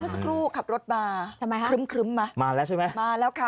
สักครู่ขับรถมาทำไมฮะครึ้มไหมมาแล้วใช่ไหมมาแล้วค่ะ